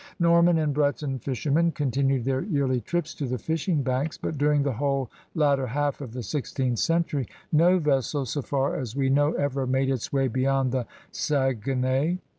Norman and Breton fishermen continued their yearly trips to the fishing banks, but during the whole latter half of the sixteenth century no vessel, so far as we know, ever made its way beyond the Saguenay.